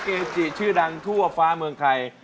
เกจิชื่อดังทั่วฟ้าเมืองไทย